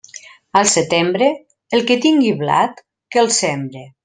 Al setembre, el qui tinga blat que el sembre.